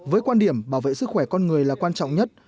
với quan điểm bảo vệ sức khỏe con người là quan trọng nhất